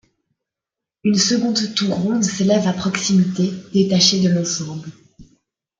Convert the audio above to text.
Une seconde tour ronde s’élève à proximité, détachée de l'ensemble.